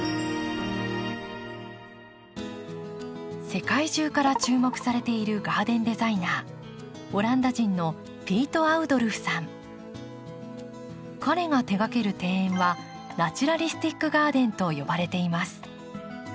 世界中から注目されているガーデンデザイナーオランダ人の彼が手がける庭園はナチュラリスティック・ガーデンと呼ばれています。